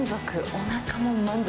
おなかも満足！